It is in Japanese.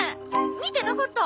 見てなかった。